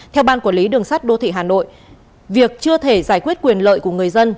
theo ban quản lý đường sắt đô thị hà nội việc chưa thể giải quyết quyền lợi của người dân